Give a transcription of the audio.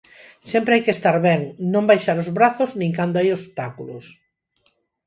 Sempre hai que estar ben, non baixar os brazos, nin cando hai obstáculos.